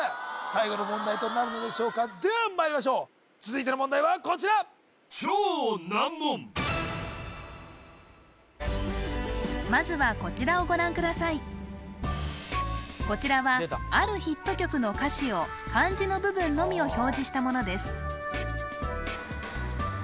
最後の問題となるのでしょうかではまいりましょう続いての問題はこちらまずはこちらはあるヒット曲の歌詞を漢字の部分のみを表示したものです